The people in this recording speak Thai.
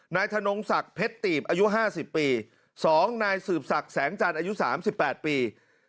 นายธนงศักดิ์เพชรตีบอายุ๕๐ปี๒นายสืบศักดิ์แสงจันทร์อายุ๓๘ปี